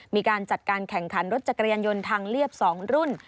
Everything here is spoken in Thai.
มีการจัดการแข่งขันรถจักรยานยนต์ทางเรียบ๒รุ่น